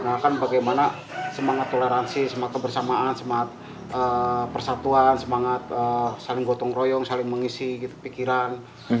nah kan bagaimana semangat toleransi semangat kebersamaan semangat persatuan semangat saling gotong royong saling mengisi pikiran